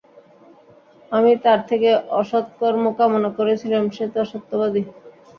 আমিই তার থেকে অসৎ কর্ম কামনা করেছিলাম সে তো সত্যবাদী।